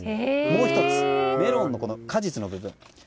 もう１つ、メロンの果実の部分。